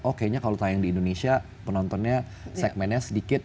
oh kayaknya kalau tayang di indonesia penontonnya segmennya sedikit